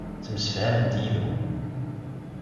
Ttemsefhament yid-wen.